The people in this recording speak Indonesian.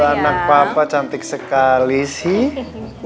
anak papa cantik sekali sih